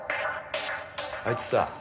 あいつさ